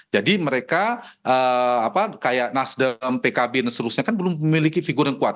jadi mereka kayak nasdem pkb dan seluruhnya kan belum memiliki figur yang kuat